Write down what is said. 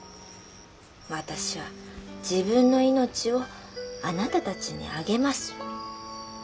私は自分の命をあなたたちにあげます』。